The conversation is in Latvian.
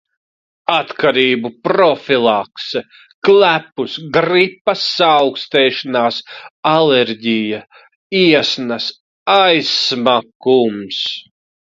Atkarību profilakse. Klepus, gripa, saaukstēšanās, alerģija, iesnas, aizsmakums.